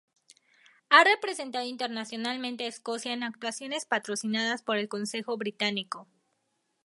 Ha representado internacionalmente a Escocia en actuaciones patrocinadas por el Consejo Británico.